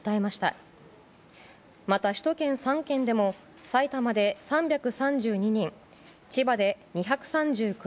また、首都圏３県でも埼玉で３３２人、千葉で２３９人